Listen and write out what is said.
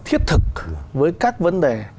thiết thực với các vấn đề